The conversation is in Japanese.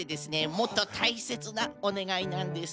もっとたいせつなおねがいなんです。